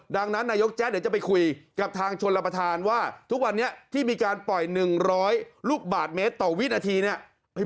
ดังนั้นนายกแจ๊เดี๋ยวจะไปคุยกับทางชนรับประทานว่าทุกวันนี้ที่มีการปล่อย๑๐๐ลูกบาทเมตรต่อวินาทีเนี่ย